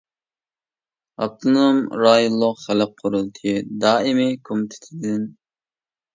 ئاپتونوم رايونلۇق خەلق قۇرۇلتىيى دائىمىي كومىتېتىدىن.